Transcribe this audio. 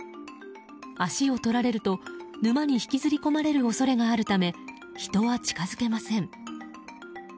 足を取られると沼に引きずり込まれる恐れがあるため人は近づけません。